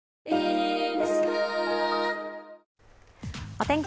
お天気